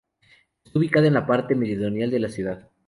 Está ubicada en la parte meridional de la ciudad.